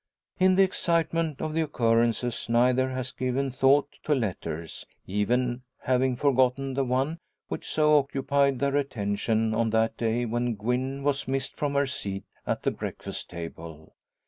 In the excitement of occurrences neither has given thought to letters, even having forgotten the one which so occupied their attention on that day when Gwen was missed from her seat at the breakfast table.